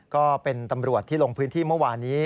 ก็เป็นตำรวจที่ลงพื้นที่เมื่อวานี้